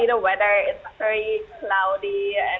apakah ada perbedaan bisa kamu bandingkan